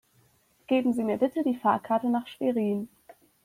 Geben Sie mir bitte die Fahrkarte nach Schwerin